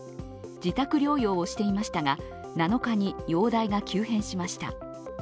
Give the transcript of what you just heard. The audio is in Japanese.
自宅療養をしていましたが、７日に容体が急変しました。